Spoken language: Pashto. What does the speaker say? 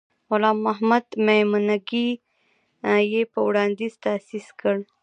غلام محمد میمنګي یې په وړاندیز تأسیس کړ.